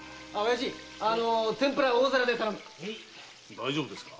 大丈夫ですか？